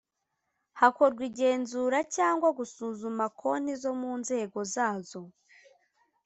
hakorwa igenzura cyangwa gusuzuma konti zo mu nzego zazo